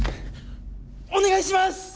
お願いします！